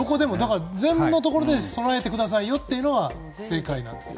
全部のところで備えてくださいよっていうのが正解なんですか。